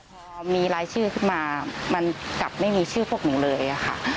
พอมีรายชื่อขึ้นมามันกลับไม่มีชื่อพวกหนูเลยค่ะ